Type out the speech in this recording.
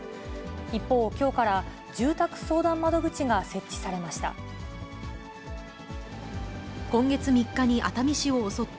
一方、きょうから住宅相談窓口が設置されました。